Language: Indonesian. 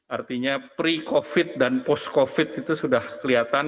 artinya pre covid dan post covid itu sudah kelihatan